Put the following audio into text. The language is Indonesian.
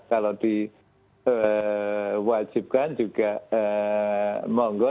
kalau diwajibkan juga monggo